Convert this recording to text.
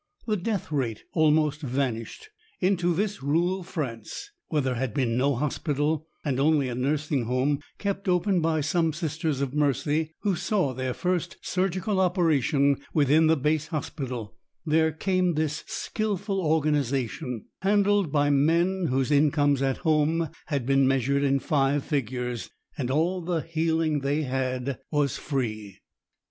The death rate almost vanished. Into this rural France, where there had been no hospital and only a nursing home kept by some Sisters of Mercy who saw their first surgical operation within the base hospital, there came this skilful organization, handled by men whose incomes at home had been measured in five figures, and all the healing they had was free.